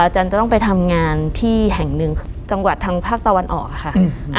จันทร์จะต้องไปทำงานที่แห่งหนึ่งจังหวัดทางภาคตะวันออกค่ะ